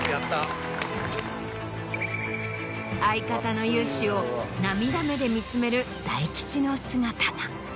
相方の勇姿を涙目で見つめる大吉の姿が。